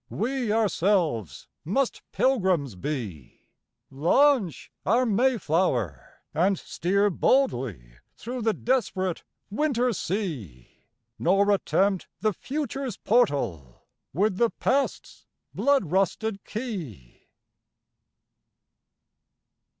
we ourselves must Pilgrims be, Launch our Mayflower, and steer boldly through the desperate winter sea, Nor attempt the Future's portal with the Past's blood rusted key.